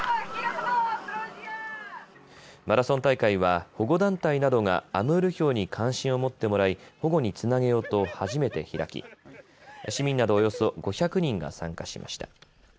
マラソン大会は保護団体などがアムールヒョウに関心を持ってもらい保護につなげようと初めて開き市民などおよそ５００人が参加しました。